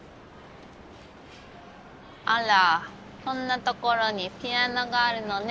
あらこんなところにピアノがあるのね。